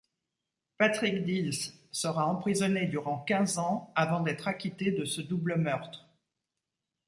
Patrick Dils sera emprisonné durant quinze ans avant d'être acquitté de ce double meurtre.